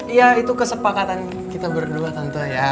iya itu kesepakatan kita berdua tentu ya